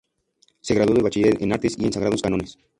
Se graduó de bachiller en Artes y en Sagrados Cánones.